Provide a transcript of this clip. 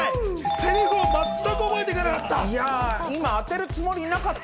セリフを全く覚えていかなかった。